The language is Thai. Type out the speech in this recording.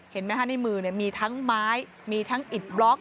เห็นไหมคะในมือมีทั้งไม้มีทั้งอิดบล็อก